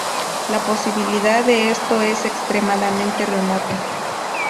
La posibilidad de esto es extremadamente remota.